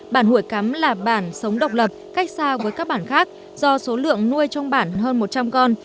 bản hủy cắm là bản sống độc lập cách xa với các bản khác do số lượng nuôi trong bản hơn một trăm linh con